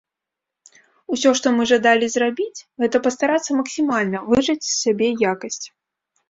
Усё, што мы жадалі зрабіць, гэта пастарацца максімальна выжаць з сябе якасць.